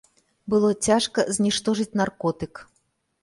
Было цяжка зніштожыць наркотык.